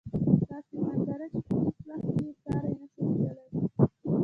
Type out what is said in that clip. داسې ننداره چې په هیڅ وخت کې یې ساری نشو لېدلی.